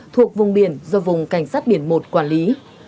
thuộc vùng biển do vùng cảnh sát biển một quản lý